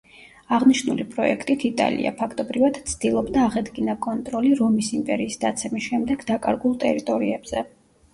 აღნიშნული პროექტით იტალია, ფაქტობრივად, ცდილობდა აღედგინა კონტროლი რომის იმპერიის დაცემის შემდეგ დაკარგულ ტერიტორიებზე.